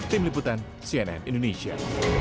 tim liputan cnn indonesia